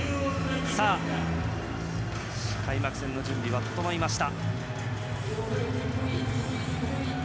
開幕戦の準備は整いました。